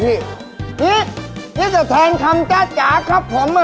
นี้ต้องแทนคำจ๊ะตรา